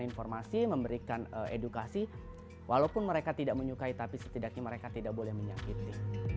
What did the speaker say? informasi memberikan edukasi walaupun mereka tidak menyukai tapi setidaknya mereka tidak boleh menyakiti